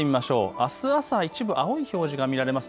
あすの朝、一部青い表示が見られます。